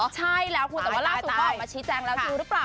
ใช่แล้วคุณแต่ว่าล่าสุดเขาออกมาชี้แจงแล้วดูหรือเปล่า